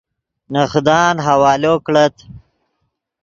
نے خدان حوالو کڑت